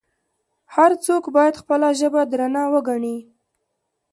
هر څوک باید خپله ژبه درنه وګڼي.